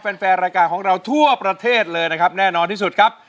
แฟนแฟนรายการของเราทั่วประเทศเลยนะครับแน่นอนที่สุดครับ